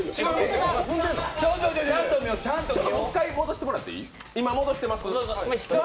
もう一回戻してもらっていい？